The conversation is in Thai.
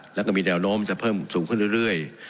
แล้วก็มีแนวโน้มจะเพิ่มสูงขึ้นเรื่อย